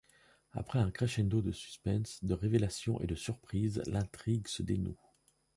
Après un crescendo de suspens, de révélations et de surprises, l'intrigue se dénoue.